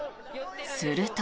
すると。